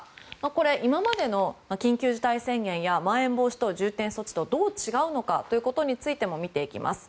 これ、今までの緊急事態宣言やまん延防止等重点措置とどう違うのかということについても見ていきます。